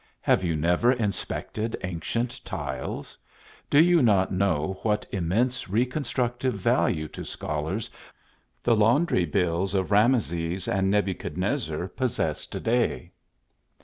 Have you never inspected ancient tiles? Do you not know what immense reconstructive value to scholars the laundry bills of Rameses and Nebuchednezzar possess to day?